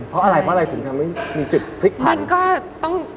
เพราะอะไรถึงมีจุดพลิกพัน